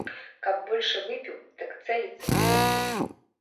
Каб больш выпіў, дык цэліцца не мог бы.